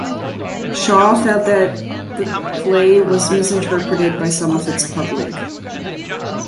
Shaw felt that the play was misinterpreted by some of its public.